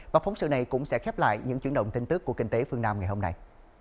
và phóng sự này cũng sẽ khép lại những chứng động tin tức của kinh tế phương nam ngày hôm nay